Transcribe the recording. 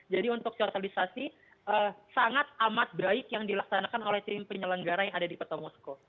jadi untuk sosialisasi sangat amat baik yang dilaksanakan oleh tim penyelenggara yang ada di petomusko